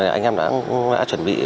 anh em đã chuẩn bị